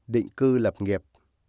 định cư lập nghiệp